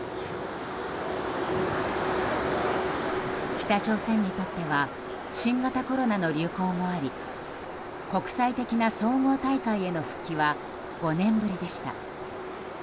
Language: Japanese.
北朝鮮にとっては新型コロナの流行もあり国際的な総合大会への復帰は５年ぶりでした。